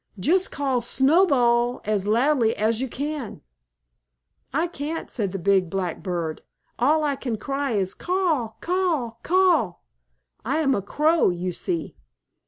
Just call 'Snowball' as loudly as you can." "I can't," said the big black bird. "All I can cry is 'Caw! Caw! Caw!' I am a crow, you see."